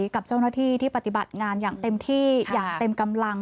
กับเจ้าหน้าที่ที่ปฏิบัติงานอย่างเต็มที่อย่างเต็มกำลัง